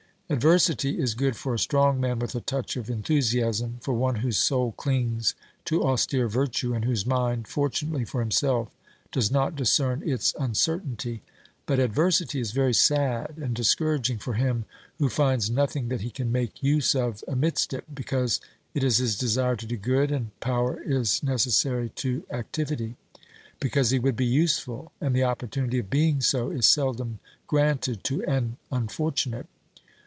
Adversity is good for a strong man with a touch of enthusiasm, for one whose soul clings to austere virtue and whose mind, fortunately for himself, does not discern its un certainty ; but adversity is very sad and discouraging for him who finds nothing that he can make use of amidst it, because it is his desire to do good, and power is necessary to activity ; because he would be useful, and the opportunity of being so is seldom granted to an unfortunate.